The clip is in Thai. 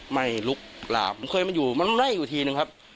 ไม่ลุกหลาบมันเคยมันอยู่มันไล่อยู่ทีนึงครับ